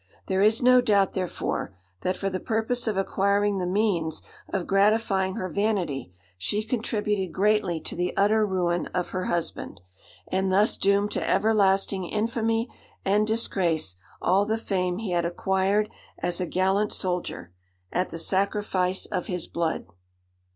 There is no doubt, therefore, that, for the purpose of acquiring the means of gratifying her vanity, she contributed greatly to the utter ruin of her husband, and thus doomed to everlasting infamy and disgrace all the fame he had acquired as a gallant soldier, at the sacrifice of his blood."